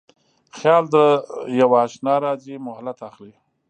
خیال د یواشنا راځی مهلت اخلي